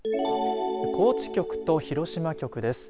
高知局と広島局です。